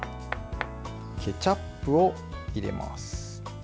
ケチャップを入れます。